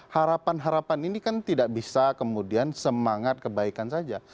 harapan harapan ini kan tidak bisa kemudian semangat kebaikan saja